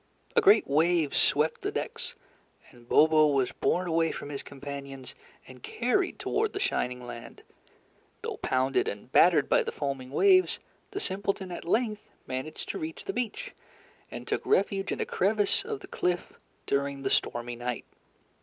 A great wave swept the decks, and Bobo was borne away from his companions and carried toward the shining land. Though pounded and battered by the foaming waves, the simpleton at length managed to reach the beach, and took refuge in a crevice of the cliff during the stormy night.